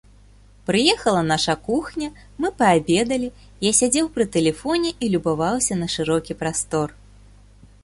Прыехала наша кухня, мы паабедалі, я сядзеў пры тэлефоне і любаваўся на шырокі прастор.